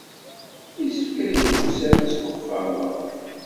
Yessefk ad yeddu Sami seg uxxam-a.